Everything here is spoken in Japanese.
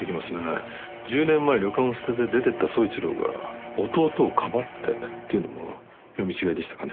１０年前旅館を捨てて出ていった宗一郎が弟をかばってっていうのも読み違えでしたかね？